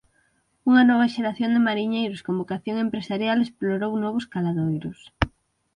Unha nova xeración de mariñeiros con vocación empresarial explorou novos caladoiros.